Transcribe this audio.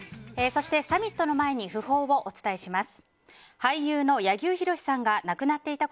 そして、サミットの前に訃報をお伝えします。